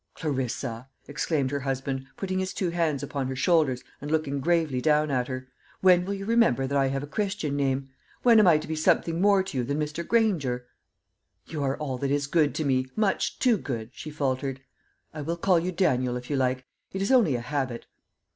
"Clarissa," exclaimed her husband, putting his two hands upon her shoulders, and looking gravely down at her, "when will you remember that I have a Christian name? When am I to be something more to you than Mr. Granger?" "You are all that is good to me, much too good," she faltered. "I will call you Daniel, if you like. It is only a habit."